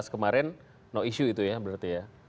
kemarin no issue itu ya berarti ya